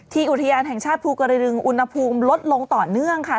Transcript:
อุทยานแห่งชาติภูกระดึงอุณหภูมิลดลงต่อเนื่องค่ะ